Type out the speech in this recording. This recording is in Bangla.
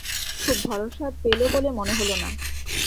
খুব ভরসা পেল বলে মনে হল না।